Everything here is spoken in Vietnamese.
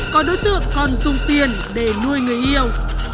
có đối tượng còn dùng tiền để nuôi người yêu